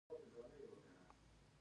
د مندلیفیم د مندلیف په نوم دی.